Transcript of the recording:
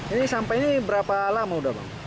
ini sampai berapa lama sudah bang